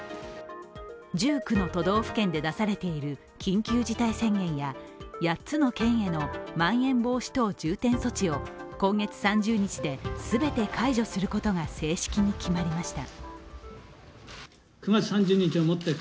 １９の都道府県で出されている緊急事態宣言や８つの県へのまん延防止等重点措置を今月３０日で全て解除することが正式に決まりました。